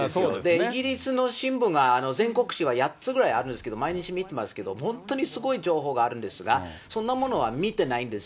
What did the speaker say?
イギリスの新聞が、全国紙は８つぐらいあるんですけど、毎日見てますけど、本当にすごい情報があるんですが、そんなものは見てないんです。